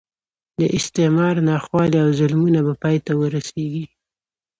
د استعمار ناخوالې او ظلمونه به پای ته ورسېږي.